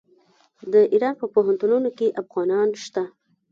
د ایران په پوهنتونونو کې افغانان شته.